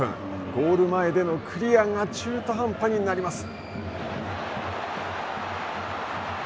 ゴール前でのクリアが中途半端になります。